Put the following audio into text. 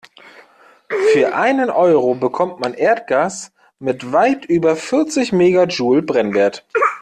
Für einen Euro bekommt man Erdgas mit weit über vierzig Megajoule Brennwert.